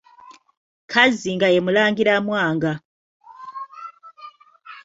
Kazzi nga ye Mulangira Mwanga.